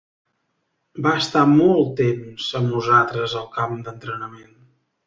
Va estar molt temps amb nosaltres al camp d'entrenament.